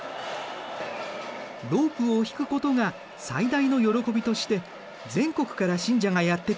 ロープを引くことが最大の喜びとして全国から信者がやって来る。